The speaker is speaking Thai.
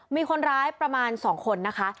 มีคนร้ายประมาณ๒คนนะคะ